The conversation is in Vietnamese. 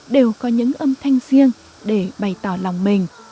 đều có những âm thanh riêng để bày tỏ lòng mình